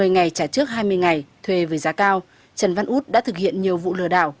một mươi ngày trả trước hai mươi ngày thuê với giá cao trần văn út đã thực hiện nhiều vụ lừa đảo